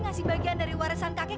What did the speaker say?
ngasih bagian dari warisan kakek